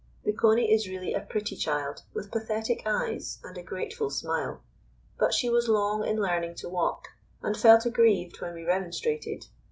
The Coney is really a pretty child with pathetic eyes and a grateful smile; but she was long in learning to walk, and felt aggrieved when we remonstrated.